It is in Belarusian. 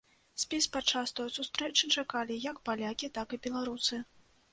Спіс падчас той сустрэчы чакалі як палякі, так і беларусы.